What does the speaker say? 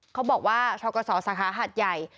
เขาบอกว่าทกศสาขาหัดใหญ่